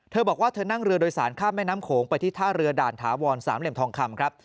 เธอบอกว่าเธอนั่งเรือโดยสารข้ามแม่น้ำโขงไปที่ท่าเรือด่านถาวรสามเหลี่ยมทองคำครับ